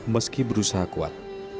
meski berusaha untuk mencari kemampuan